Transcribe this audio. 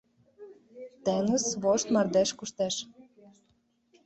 Теҥыз вошт мардеж коштеш